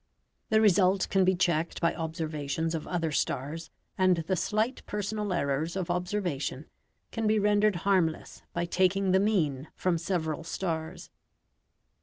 The result can be checked by observations of other stars, and the slight personal errors of observation can be rendered harmless by taking the mean from several stars.